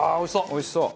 おいしそう！